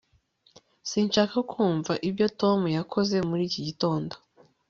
sinshaka kumva ibyo tom yakoze muri iki gitondo